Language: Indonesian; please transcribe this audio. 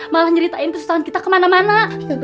malah nyeritain kesetahuan kita kemana mana